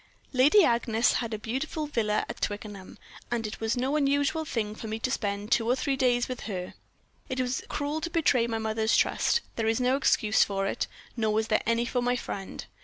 "Lady Agnes had a beautiful villa at Twickenham, and it was no unusual thing for me to spend two or three days with her. It was cruel to betray my mother's trust; there is no excuse for it, nor was there any for my friend.